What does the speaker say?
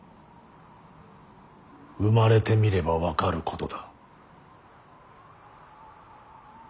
生まれてみれば分かることだ。